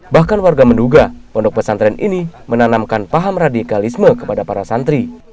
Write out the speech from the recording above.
bahkan warga menduga pondok pesantren ini menanamkan paham radikalisme kepada para santri